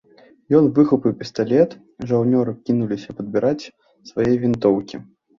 Ён выхапіў пісталет, жаўнеры кінуліся падбіраць свае вінтоўкі.